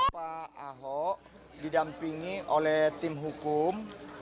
pak ahok didampingi oleh tim hukum